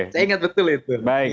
saya ingat betul itu